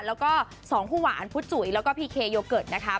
แล้วก็สองคู่หวานผู้จุ๋ยแล้วก็พี่เคโยเกิร์ตนะคะ